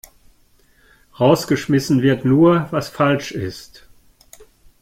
Rausgeschmissen wird nur, was falsch ist.